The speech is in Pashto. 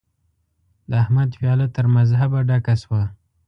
د احمد پياله تر مذهبه ډکه شوه.